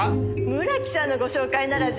村木さんのご紹介ならぜひ。